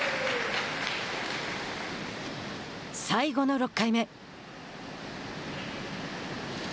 最後の６回目。